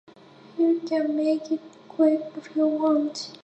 You can make it quick if you want.